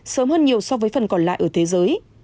sớm hơn nhiều so với phần còn lại ở thế giới